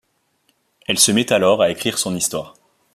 Elle se met alors à écrire son histoire.